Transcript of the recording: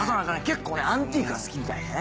結構ねアンティークが好きみたいでね。